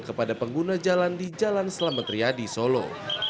kepada pengguna jalan di jalan selamat ria di solo